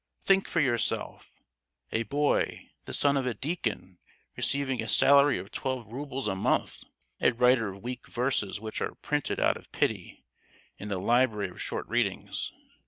Think for yourself—a boy, the son of a deacon, receiving a salary of twelve roubles a month—a writer of weak verses which are printed, out of pity, in the 'library of short readings.